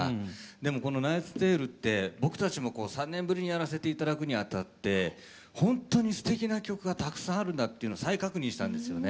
でもこの「ナイツ・テイル」って僕たちも３年ぶりにやらせて頂くにあたってほんとにすてきな曲がたくさんあるんだっていうのを再確認したんですよね。